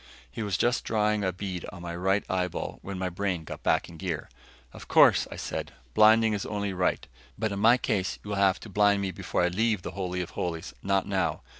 He was just drawing a bead on my right eyeball when my brain got back in gear. "Of course," I said, "blinding is only right. But in my case you will have to blind me before I leave the Holy of Holies, not now.